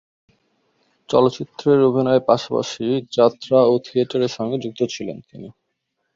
চলচ্চিত্রে অভিনয়ের পাশাপাশি যাত্রা ও থিয়েটারের সাথে যুক্ত ছিলেন তিনি।